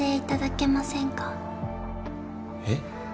えっ？